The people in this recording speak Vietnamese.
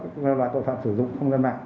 các loại tội phạm sử dụng công nhân mạng